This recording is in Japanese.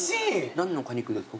何の果肉ですか？